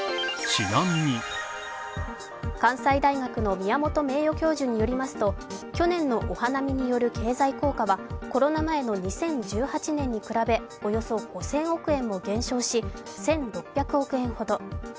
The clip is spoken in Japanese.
関西大学の宮本名誉教授によりますと去年のお花見による経済効果はコロナ前の２０１８年に比べおよそ５０００億円も減少し、１６００億円ほど。